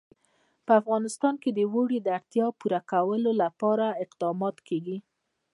په افغانستان کې د اوړي د اړتیاوو پوره کولو لپاره اقدامات کېږي.